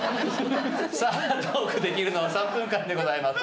さぁトークできるのは３分間でございます。